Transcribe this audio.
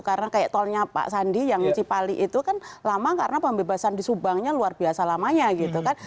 karena kayak tolnya pak sandi yang cipali itu kan lama karena pembebasan di subangnya luar biasa lamanya gitu kan